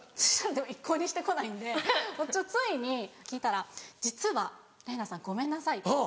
でも一向にして来ないんで。ついに聞いたら実は「玲奈さんごめんなさい。